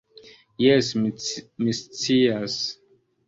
Jes, mi scias.